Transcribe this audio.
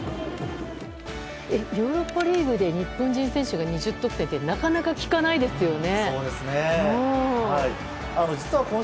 ヨーロッパリーグで日本人選手が２０得点ってなかなか聞かないですよね。